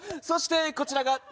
そして、こちらが。